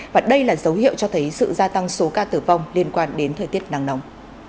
và đây là dấu hiệu cho thấy sự gia tăng số ca tử vong liên quan đến thời tiết nắng nóng